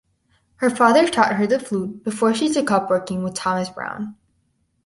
Her father taught her the flute before she took up working with Thomas Brown.